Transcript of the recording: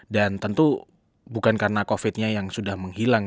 dan tentu bukan karena covid nya yang sudah menghilang